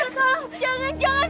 tolong jangan jangan